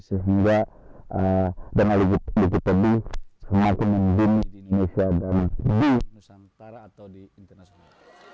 sehingga danau likitobi semakin menjini di indonesia dan di nusantara atau di internasional